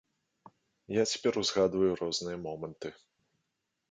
Я цяпер узгадваю розныя моманты.